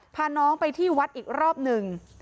พาน้องไปที่วัดอีกรอบหนึ่ง